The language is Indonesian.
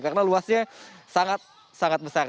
karena luasnya sangat sangat besar